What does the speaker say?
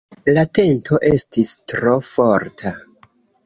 La tento estis tro forta.